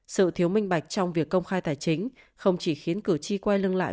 sự thiếu minh bạch trong việc công khai tài chính không chỉ khiến cử tri quay lưng lại